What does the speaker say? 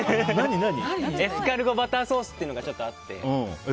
エスカルゴバターソースっていうのがあって。